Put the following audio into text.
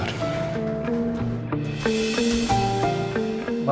kami mau mengunjungi rosa alvar